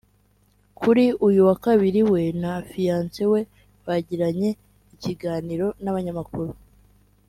kuri uyu wa Kabiri we na fiyanse we bagiranye ikiganiro n’abanyamakuru